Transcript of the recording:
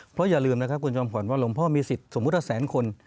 เพราะอย่าลืมนะครับคุณจอมขวัญว่าหลวงพ่อมีสิทธิ์สมมุติว่าแสนคน